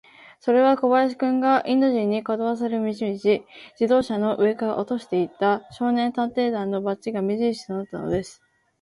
それは小林君が、インド人に、かどわかされる道々、自動車の上から落としていった、少年探偵団のバッジが目じるしとなったのです。